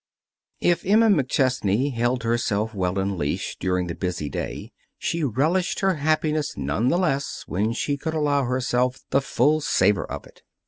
If Emma McChesney held herself well in leash during the busy day, she relished her happiness none the less when she could allow herself the full savor of it.